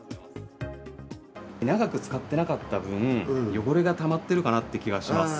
長く使ってなかった分、汚れがたまってるかなって気がします。